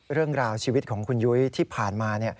เรื่องราวชีวิตของคุณยุ้ยที่ผ่านมา